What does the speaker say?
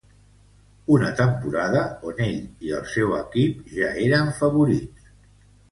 Una temporada on ell i el seu equip, ja eren favorits.